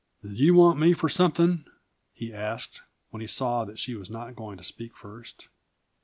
"Did you want me for something?" he asked, when he saw that she was not going to speak first.